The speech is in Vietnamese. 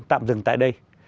tạm dừng tại đây